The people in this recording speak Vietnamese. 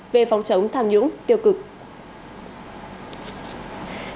về phòng chống tham nhũng tiêu cực